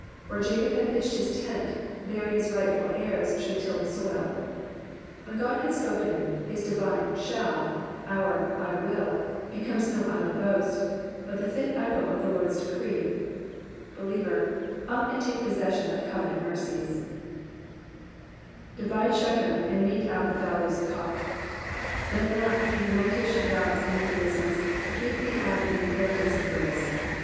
Where Jacob had pitched his tent, there his rightful heirs should till the soil. When God has spoken, his divine shall, our *'/ triZZ," becomes no idle boast, but the fit echo of the Lord's decree. Believer, up and take possession of covenant mercies, ^'Bivitle Shechem, and met€ out the valley of Suceoth.'''^ Let not Oanaanitish doubts and legalisms keep thee out of the inheritance of grace.